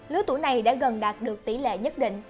lứa tuổi này đã gần đạt được tỷ lệ nhất định